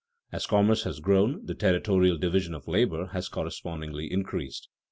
_As commerce has grown, the territorial division of labor has correspondingly increased.